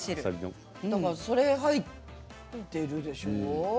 それ入っているでしょう。